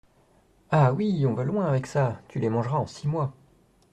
Ah ! oui, on va loin avec ça ! tu les mangeras en six mois !